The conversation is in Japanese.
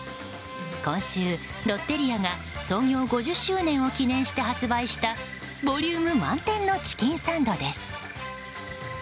今週、ロッテリアが創業５０周年を記念して発売したボリューム満点のチキンサンドです。